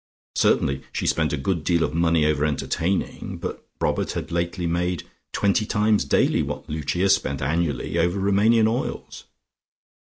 Certainly she spent a good deal of money over entertaining, but Robert had lately made twenty times daily what Lucia spent annually, over Roumanian oils.